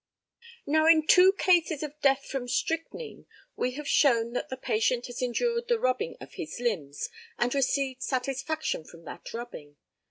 Now in two cases of death from strychnine we have shown that the patient has endured the rubbing of his limbs, and received satisfaction from that rubbing.